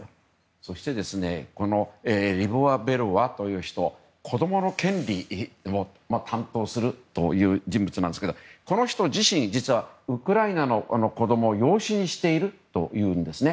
そしてリボワ・ベロワという人は子供の権利を担当するという人物なんですがこの人自身実はウクライナの子供を養子にしているというんですね。